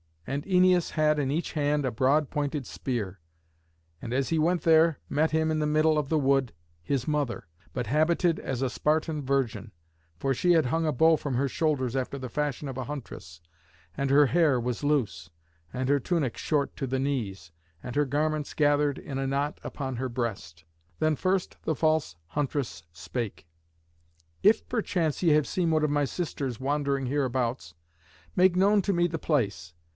And Æneas had in each hand a broad pointed spear. And as he went there met him in the middle of the wood his mother, but habited as a Spartan virgin, for she had hung a bow from her shoulders after the fashion of a huntress, and her hair was loose, and her tunic short to the knees, and her garments gathered in a knot upon her breast. Then first the false huntress spake, "If perchance ye have seen one of my sisters wandering hereabouts, make known to me the place.